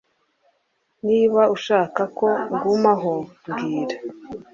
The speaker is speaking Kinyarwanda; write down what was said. Niba ushaka ko ngumaho, mbwira.